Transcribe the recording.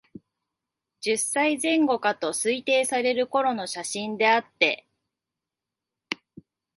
十歳前後かと推定される頃の写真であって、